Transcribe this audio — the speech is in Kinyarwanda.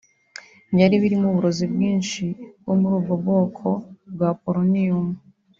byari birimo uburozi bwinshi bwo muri ubwo bwoko bwa polonium